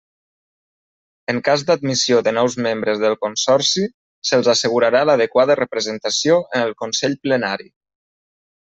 En cas d'admissió de nous membres del Consorci, se'ls assegurarà l'adequada representació en el Consell Plenari.